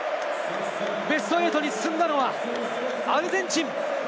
ベスト８に進んだのはアルゼンチン。